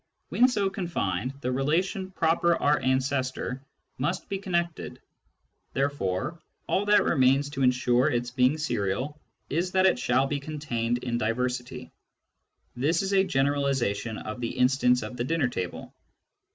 When so confined, the relation " proper R ancestor " must be connected ; therefore all that remains to ensure its being serial is that it shall be contained in diversity. This is a generalisation of the instance of the dinner table.